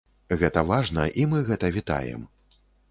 Гэта важна, і мы гэта вітаем.